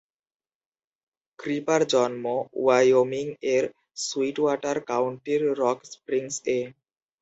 Creeper জন্ম Wyoming এর সুইটওয়াটার কাউন্টির রক স্প্রিংস এ।